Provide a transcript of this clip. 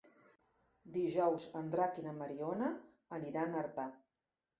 Dijous en Drac i na Mariona aniran a Artà.